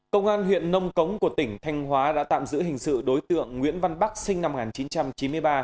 công an huyện nông cống của tỉnh thanh hóa đã tạm giữ hình sự đối tượng nguyễn văn bắc sinh năm một nghìn chín trăm chín mươi ba